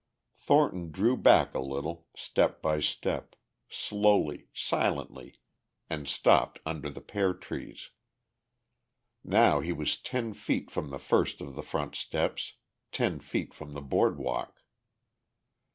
Thornton drew back a little, step by step, slowly, silently, and stopped under the pear trees. Now he was ten feet from the first of the front steps, ten feet from the board walk.